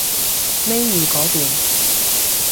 尾二嗰段